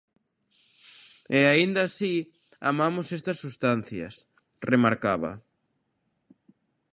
"E aínda así, amamos estas substancias", remarcaba.